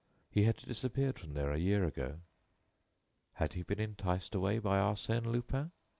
He had disappeared from there a year ago. Had he been enticed away by Arsène Lupin?